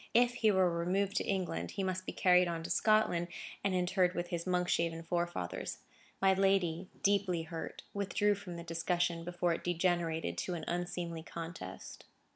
If he were removed to England, he must be carried on to Scotland, and interred with his Monkshaven forefathers. My lady, deeply hurt, withdrew from the discussion, before it degenerated to an unseemly contest.